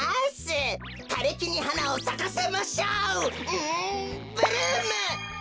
うんブルーム！